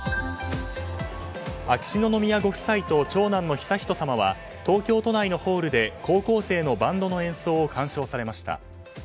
秋篠宮ご夫妻と長男の悠仁さまは東京都内のホールで高校生のバンドの演奏を鑑賞されました。